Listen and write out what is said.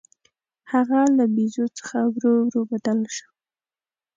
هغه له بیزو څخه ورو ورو بدل شو.